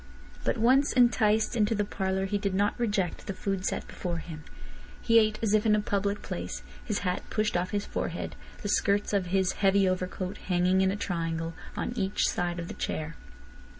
But once enticed into the parlour he did not reject the food set before him. He ate as if in a public place, his hat pushed off his forehead, the skirts of his heavy overcoat hanging in a triangle on each side of the chair.